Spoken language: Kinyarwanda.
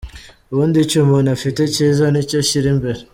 Ubundi icyo umuntu afite cyiza nicyo ashyira imbere.